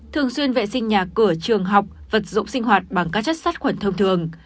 thường xuyên vệ sinh nhà cửa trường học vật dụng sinh hoạt bằng các chất sát khuẩn thông thường